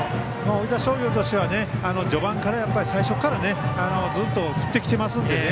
大分商業としては序盤最初からずっと振ってきていますのでね。